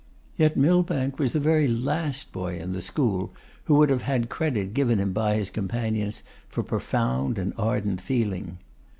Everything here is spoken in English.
Yet Millbank was the very last boy in the school who would have had credit given him by his companions for profound and ardent feeling.